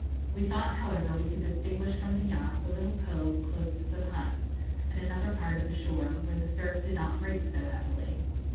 We thought, however, we could distinguish from the yacht a little cove, close to some huts, at another part of the shore, where the surf did not break so heavily.